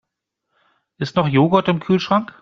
Ist noch Joghurt im Kühlschrank?